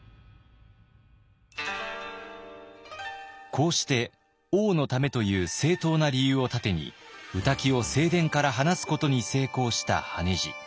こうして王のためという正当な理由を盾に御嶽を正殿から離すことに成功した羽地。